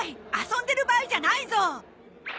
遊んでる場合じゃないぞ。